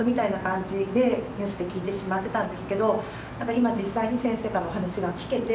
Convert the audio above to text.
今実際に先生からお話が聞けて。